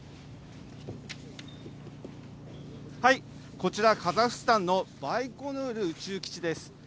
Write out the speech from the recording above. こちら、カザフスタンのバイコヌール宇宙基地です。